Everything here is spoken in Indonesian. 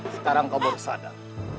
sekarang kau baru sadar